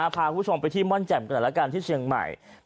พาคุณผู้ชมไปที่ม่อนแจ่มกันหน่อยแล้วกันที่เชียงใหม่